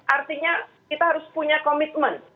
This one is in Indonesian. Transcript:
artinya kita harus punya komitmen